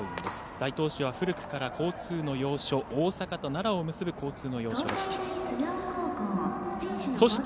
大東市は古くから大阪と奈良を結ぶ交通の要所でした。